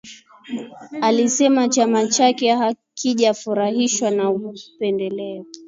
Alisema chama chake hakijafurahishwa na upendeleo